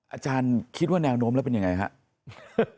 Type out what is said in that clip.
อาจารย์คิดว่าแนวโน้มแล้วเป็นยังไงครับ